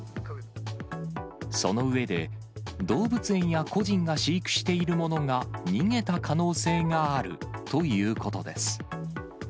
その上で、動物園や個人が飼育しているものが逃げた可能性があるということです。